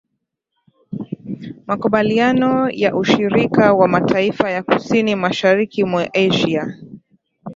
Makubaliano ya Ushirika wa Mataifa ya Kusini Mashariki mwa Asia